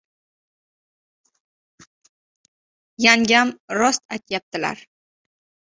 — Yangam rost aytyaptilar.